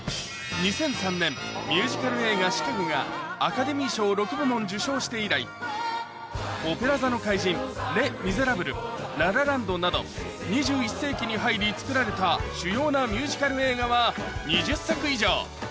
２００３年、ミュージカル映画、シカゴがアカデミー賞６部門受賞して以来、オペラ座の怪人、レ・ミゼラブル、ラ・ラ・ランドなど２１世紀に入り作られた主要なミュージカル映画は２０作以上。